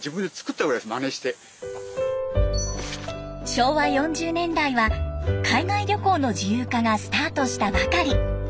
昭和４０年代は海外旅行の自由化がスタートしたばかり。